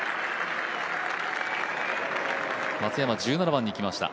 松山、１７番に来ました。